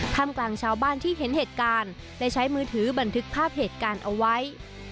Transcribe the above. ทำกลางชาวบ้านที่เห็นเหตุการณ์และใช้มือถือบันทึกภาพเหตุการณ์เอาไว้